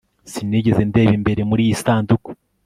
sinigeze ndeba imbere muriyi sanduku